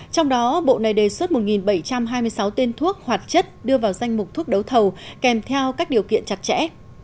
trong đó bộ này đề xuất một bảy trăm hai mươi sáu tên thuốc hoạt chất đưa vào danh mục thuốc đấu thầu kèm theo các điều kiện chặt chẽ